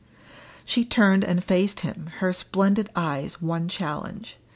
She turned and faced him, her splendid eyes one challenge.